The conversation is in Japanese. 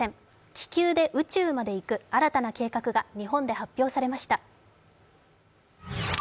気球で宇宙まで行く、新たな計画が日本で発表されました。